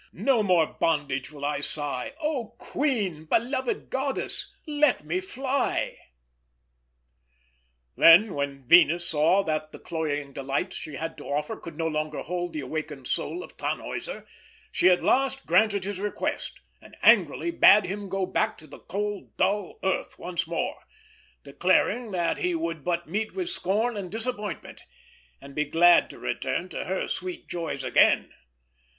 No more in bondage will I sigh! Oh queen, beloved goddess, let me fly!" Then, when Venus saw that the cloying delights she had to offer could no longer hold the awakened soul of Tannhäuser, she at last granted his request, and angrily bade him go back to the cold dull earth once more, declaring that he would but meet with scorn and disappointment, and be glad to return to her sweet joys again.